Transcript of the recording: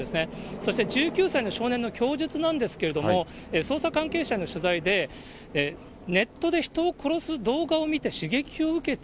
そして１９歳の少年の供述なんですけれども、捜査関係者の取材で、ネットで人を殺す動画を見て、刺激を受けた。